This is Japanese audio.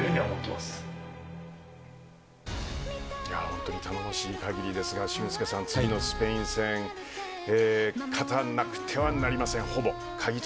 本当に頼もしい限りですが俊輔さん、次のスペイン戦勝たなくてはいけません。